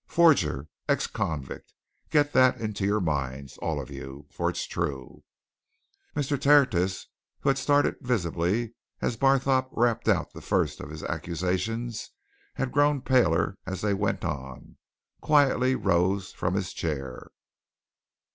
Forger ex convict get that into your minds, all of you. For it's true!" Mr. Tertius, who had started visibly as Barthorpe rapped out the first of his accusations, and had grown paler as they went on, quietly rose from his chair.